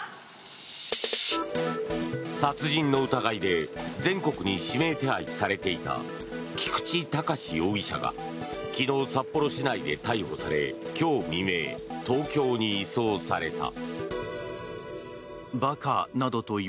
殺人の疑いで全国に指名手配されていた菊池隆容疑者が昨日、札幌市内で逮捕され今日未明、東京に移送された。